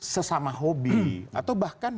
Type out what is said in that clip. sesama hobi atau bahkan